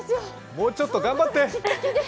もうちょっと頑張って！